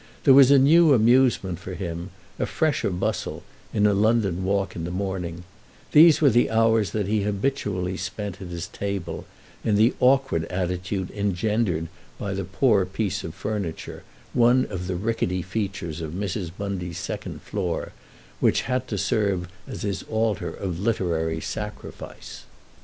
There was a new amusement for him, a fresher bustle, in a London walk in the morning; these were hours that he habitually spent at his table, in the awkward attitude engendered by the poor piece of furniture, one of the rickety features of Mrs. Bundy's second floor, which had to serve as his altar of literary sacrifice.